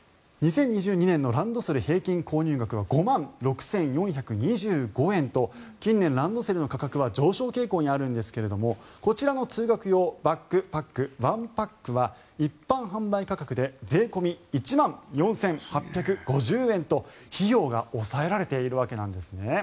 ２０２２年のランドセル平均購入額は５万６４２５円と近年、ランドセルの価格は上昇傾向にあるんですがこちらの通学用バックパックわんパックは、一般販売価格で税込み１万４８５０円で費用が抑えられているわけなんですね。